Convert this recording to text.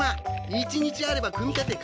１日あれば組み立て完了。